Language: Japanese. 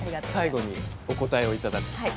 最後にお答えを頂くと。